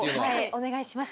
お願いします。